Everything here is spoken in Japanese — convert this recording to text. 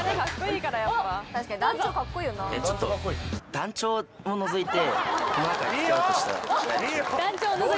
団長を除いて？